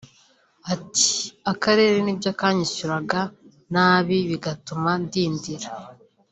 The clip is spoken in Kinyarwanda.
Ati ”Akarere ni byo kanyishyuraga nabi bigatuma ndindira